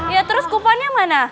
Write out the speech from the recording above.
ya terus kuponnya mana